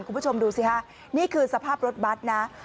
คุณผู้ชมดูสิฮะนี่คือสภาพรถบัตรนะ